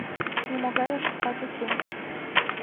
Нимогай ошибкат уке.